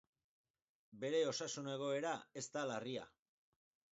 Bere osasun egoera ez da larria.